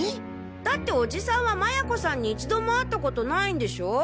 だっておじさんは麻也子さんに一度も会ったことないんでしょう？